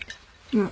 うん。